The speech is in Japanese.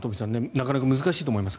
なかなか難しいと思います。